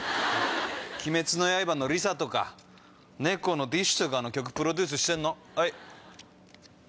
『鬼滅の刃』のＬｉＳＡとか『猫』のＤＩＳＨ／／とかの曲プロデュースしてんの。